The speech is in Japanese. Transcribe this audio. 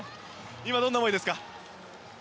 今、どんな思いですか。